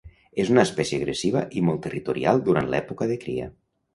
És una espècie agressiva i molt territorial durant l'època de cria.